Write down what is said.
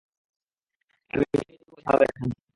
আমি হটিয়ে দিব এই শালাদের এখান থেকে।